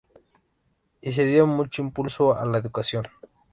Y se dio mucho impulso a la educación.